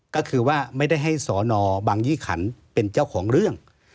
ก็คือว่าไม่ได้ให้สอนอบังยี่ขันเป็นเจ้าของเรื่อง